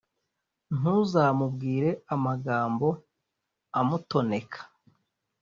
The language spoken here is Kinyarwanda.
ntuzamubwire amagambo amutoneka,